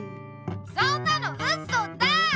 そんなのウソだ！